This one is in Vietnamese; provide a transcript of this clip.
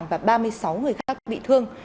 và ba mươi sáu người khác bị thương